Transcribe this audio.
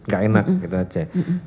gak enak gitu aja